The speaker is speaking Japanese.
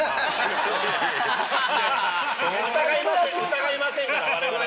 疑いませんから我々。